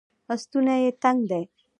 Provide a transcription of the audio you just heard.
ستونی یې تنګ دی